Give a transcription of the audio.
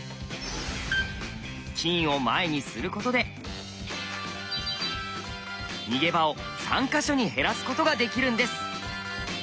金を前にすることで逃げ場を３か所に減らすことができるんです。